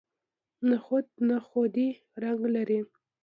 نخود نخودي رنګ لري.